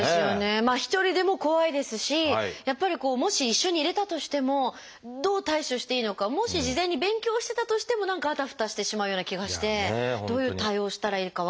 一人でも怖いですしやっぱりもし一緒にいれたとしてもどう対処していいのかをもし事前に勉強してたとしても何かあたふたしてしまうような気がしてどういう対応をしたらいいか分からないですよね。